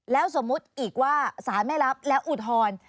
แล้วสมมุติอีกว่าสารไม่รับแล้วอุทธรณ์